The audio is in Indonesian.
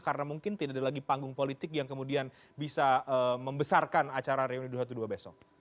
karena mungkin tidak ada lagi panggung politik yang kemudian bisa membesarkan acara reuni dua ratus dua belas besok